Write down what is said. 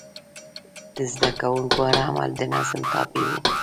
د زده کوونکو هر عمل د نظم تابع و.